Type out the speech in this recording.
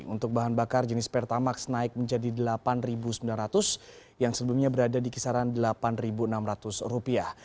untuk bahan bakar jenis pertamax naik menjadi delapan sembilan ratus yang sebelumnya berada di kisaran delapan enam ratus